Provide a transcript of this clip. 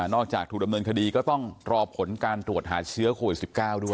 จากถูกดำเนินคดีก็ต้องรอผลการตรวจหาเชื้อโควิด๑๙ด้วย